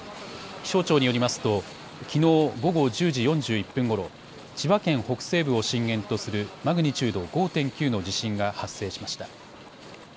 気象庁によりますときのう午後１０時４１分ごろ、千葉県北西部を震源とするマグニチュード５．９の地震が発生しました。